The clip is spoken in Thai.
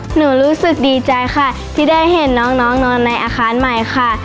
รู้สึกดีใจค่ะที่ได้เห็นน้องนอนในอาคารใหม่ค่ะ